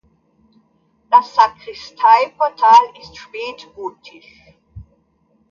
Das Sakristeiportal ist spätgotisch.